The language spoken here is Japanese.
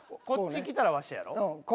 こっち来たらワシやろ。